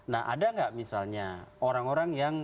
nah ada nggak misalnya orang orang yang